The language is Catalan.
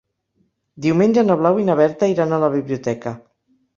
Diumenge na Blau i na Berta iran a la biblioteca.